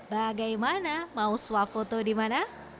bagaimana mau swafoto di mana